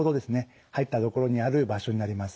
入った所にある場所になります。